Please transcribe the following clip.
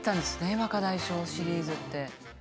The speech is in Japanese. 「若大将シリーズ」って。